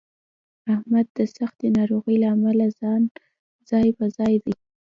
احمد د سختې ناروغۍ له امله ځای په ځای دی.